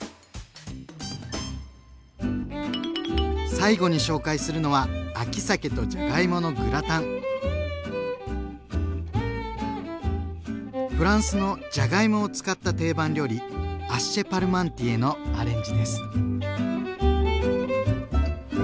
最後に紹介するのはフランスのじゃがいもを使った定番料理「アッシェ・パルマンティエ」のアレンジです。